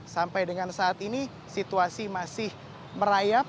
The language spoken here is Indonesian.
sampai dengan saat ini situasi masih merayap